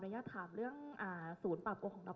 แล้วก็ขออนยาถามเรื่องอ่าศูนย์ปราบโกรของดับ